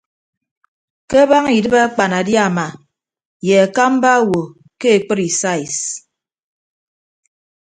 Ke abaña idịb akpanadiama ye akamba awo ke ekpri sais.